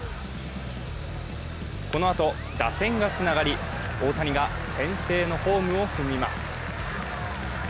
このあと打線がつながり大谷が先制のホームを踏みます。